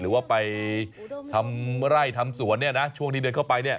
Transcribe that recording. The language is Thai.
หรือว่าไปทำไร่ทำสวนเนี่ยนะช่วงที่เดินเข้าไปเนี่ย